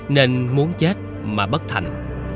nên muốn chết mà bất thành